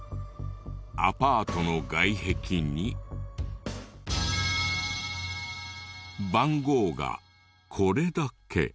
アパートの外壁に番号がこれだけ。